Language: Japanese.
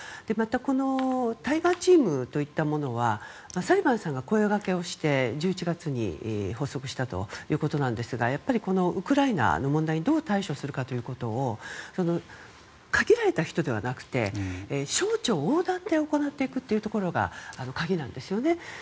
また、このタイガーチームというものはサリバンさんが声掛けをして１１月に発足したということなんですがこのウクライナの問題にどう対処するかということを限られた人ではなくて省庁横断で行っていくというところが鍵なんですね。